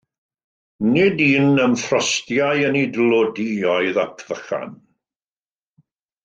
Nid un ymffrostiai yn ei dlodi oedd Ap Vychan.